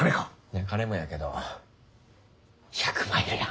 いや金もやけど１００マイルや。